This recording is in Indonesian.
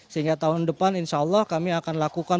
sehingga tahun depan insya allah kami akan lakukan